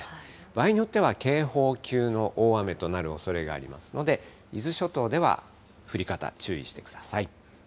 場合によっては警報級の大雨となるおそれがありますので、伊豆諸島では降り方、注意してください。